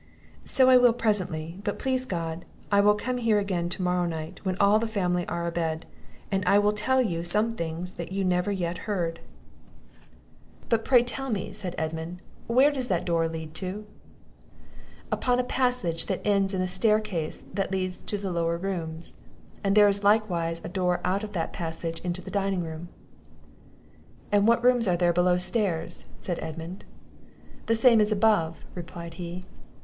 "So I will presently; but, please God, I will come here again to morrow night, when all the family are a bed; and I will tell you some things that you never yet heard." "But pray tell me," said Edmund, "where does that door lead to?" "Upon a passage that ends in a staircase that leads to the lower rooms; and there is likewise a door out of that passage into the dining room." "And what rooms are there below stairs," said Edmund? "The same as above," replied he.